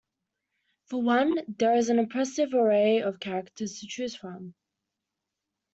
For one, there is an impressive array of characters to choose from.